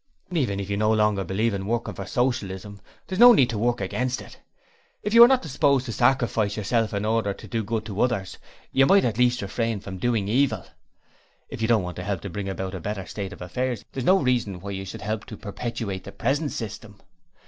'Even if you no longer believe in working for Socialism, there's no need to work AGAINST it. If you are not disposed to sacrifice yourself in order to do good to others, you might at least refrain from doing evil. If you don't want to help to bring about a better state of affairs, there's no reason why you should help to perpetuate the present system.'